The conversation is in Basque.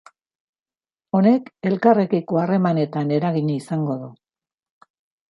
Honek elkarrekiko harremanetan eragina izango du.